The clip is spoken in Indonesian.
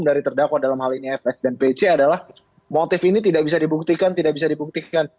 dari terdakwa dalam hal ini fs dan pc adalah motif ini tidak bisa dibuktikan tidak bisa dibuktikan